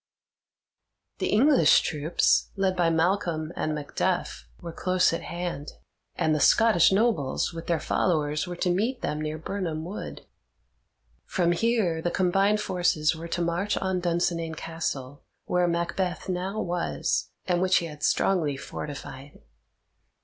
The English troops, led by Malcolm and Macduff, were close at hand, and the Scottish nobles with their followers were to meet them near Birnam Wood. From here the combined forces were to march on Dunsinane Castle, where Macbeth now was, and which he had strongly fortified.